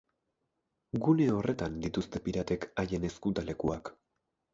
Gune horretan dituzte piratek haien ezkutalekuak.